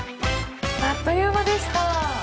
あっという間でした。